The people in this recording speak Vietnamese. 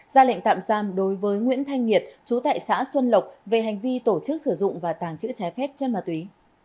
ra lệnh tạm giam đối với nguyễn thanh nhiệt chú tại xã xuân lộc về hành vi tổ chức sử dụng và tàng trữ trái phép chân ma túy